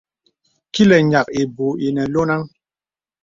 Kilə̀ ǹyàk ìbūū ìnə lɔnàŋ.